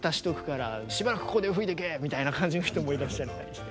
みたいな感じの人もいらっしゃったりして。